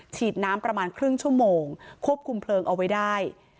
ฉีดน้ำประมาณครึ่งชั่วโมงควบคุมเพลิงเอาไว้ได้